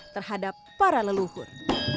terhadap para leluhur